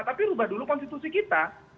tapi ubah dulu konstitusi kita